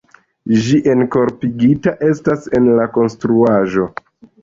Ĝi enkorpigita estas en la konstruaĵo.